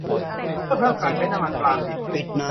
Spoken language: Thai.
เพื่อเพิ่มการใช้น้ำมันปาล์มดิบ